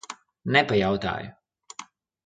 Nepajautāju.